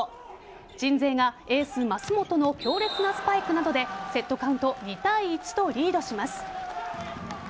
鎮西がエース・舛本の強烈なスパイクなどでセットカウント２対１とリードします。